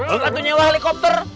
eh lu kan tuh nyewa helikopter